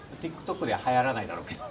ＴｉｋＴｏｋでは流行らないだろうけど。